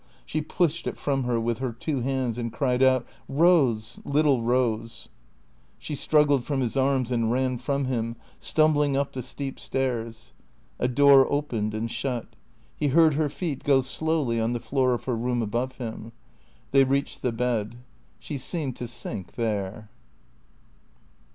She pushed it from her with her two hands and cried out, " Eose, little Eose !" She struggled from his arms and ran from him, stumbling up the steep stairs. A door opened and shut. He heard her feet go slowly on the floor of her room above him. They reached the bed. She seemed to sink there.